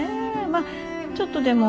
まあちょっとでも。